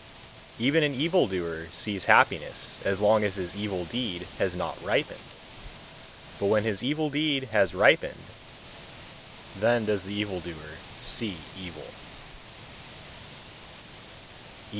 119. Even an evil doer sees happiness as long as his evil deed has not ripened; but when his evil deed has ripened, then does the evil doer see evil.